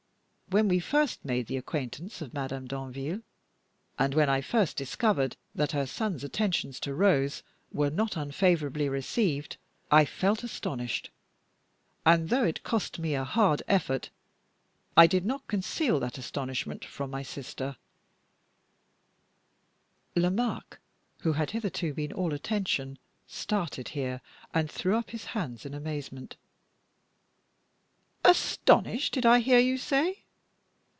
When we first made the acquaintance of Madame Danville, and when I first discovered that her son's attentions to Rose were not unfavorably received, I felt astonished, and, though it cost me a hard effort, I did not conceal that astonishment from my sister " Lomaque, who had hitherto been all attention, started here, and threw up his hands in amazement. "Astonished, did I hear you say?